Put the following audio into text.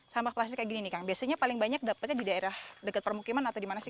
sampah plastik kayak gini nih kang biasanya paling banyak dapatnya di daerah dekat permukiman atau di mana sih